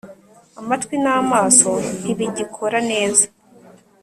amatwi namaso ntibigikora neza